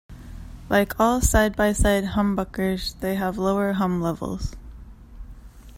Like all side-by-side humbuckers, they have lower hum levels.